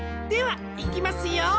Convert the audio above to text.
ではいきますよ。